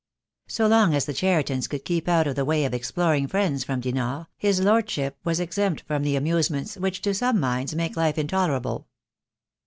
So long as the Cheritons could keep out of the way of exploring friends from Dinard, his Lordship was exempt from the amusements which to some minds make life intolerable.